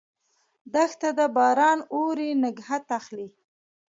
دښته ده ، باران اوري، نګهت اخلي